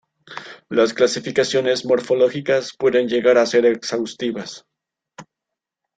Las clasificaciones morfológicas pueden llegar a ser exhaustivas.